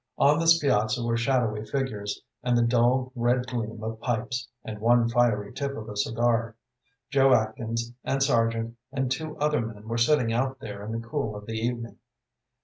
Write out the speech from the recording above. On this piazza were shadowy figures, and the dull, red gleam of pipes, and one fiery tip of a cigar. Joe Atkins, and Sargent, and two other men were sitting out there in the cool of the evening.